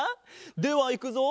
ではいくぞ。